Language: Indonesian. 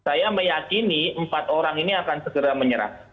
saya meyakini empat orang ini akan segera menyerah